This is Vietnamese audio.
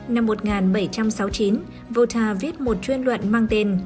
năm một nghìn bảy trăm sáu mươi chín vota viết một chuyên luận mang tên